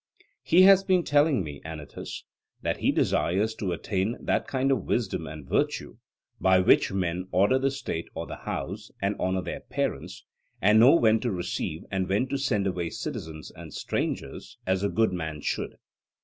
He has been telling me, Anytus, that he desires to attain that kind of wisdom and virtue by which men order the state or the house, and honour their parents, and know when to receive and when to send away citizens and strangers, as a good man should.